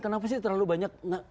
kenapa sih terlalu banyak